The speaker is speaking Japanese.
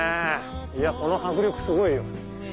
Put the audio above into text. いやこの迫力すごいよ。